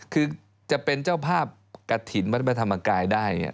คือจะเป็นเจ้าภาพกฐินวัฒนธรรมไกรได้